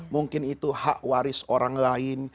mungkin itu hak waris orang lain